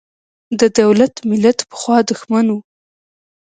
د دولت–ملت پخوا دښمن و.